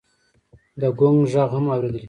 د ګونګ غږ هم اورېدل کېږي.